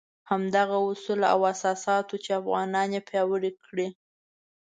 همدغه اصول او اساسات وو چې افغانان یې پیاوړي کړي.